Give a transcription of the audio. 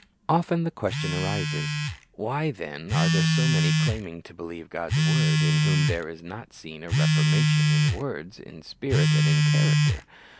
Often the question arises, Why, then, are there so many, claiming to believe God's word, in whom there is not seen a reformation in words, in spirit, and in character?